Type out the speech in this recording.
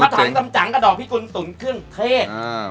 เจ๋งกระดอกพี่กุลตุ๋นเครื่องเทศ